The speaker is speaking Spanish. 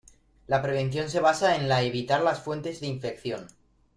La prevención se basa en la evitar las fuentes de infección.